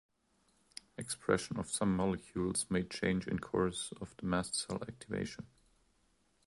Expression of some molecules may change in course of the mast cell activation.